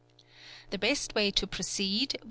The best way to proceed will.